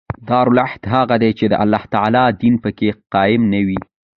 دارالعهد هغه دئ، چي د الله تعالی دین په کښي قایم نه يي.